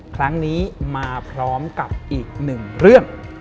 ครั้งนี้มาพร้อมกับอีกหนึ่งเรื่อง